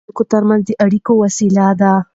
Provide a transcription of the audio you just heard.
ژبه د خلکو ترمنځ د اړیکو وسیله ده.